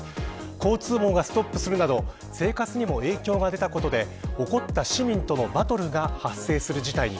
交通網がストップするなど生活にも影響が出たことで怒った市民とのバトルが発生する事態に。